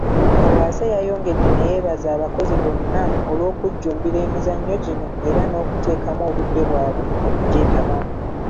Kawaase yayongedde neyebaza abakozi bonna olw'okujjumbira emizannyo gino era n'okuteekamu obudde bwabwe okugyetabamu.